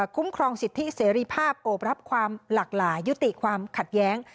คุ้มครองสิทธิเสรีภาพโอบรับความหลากหลายยุติความขัดแย้ง